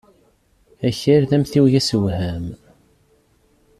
Akal d amtiweg asewham.